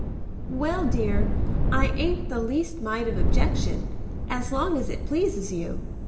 "Well, dear, I ain't the least mite of objection, as long as it pleases you.